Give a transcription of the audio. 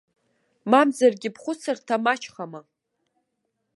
Мамзаргьы бхәыцырҭа маҷхама?